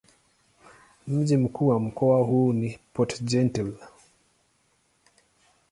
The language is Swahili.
Mji mkuu wa mkoa huu ni Port-Gentil.